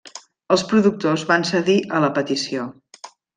Els productors van cedir a la petició.